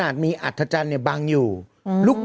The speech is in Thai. ไปฟังเสียหายแล้วก็ผู้จัดงานกันสักนิดหนึ่งนะครับ